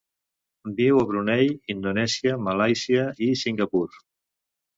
Viu a Brunei, Indonèsia, Malàisia i Singapur.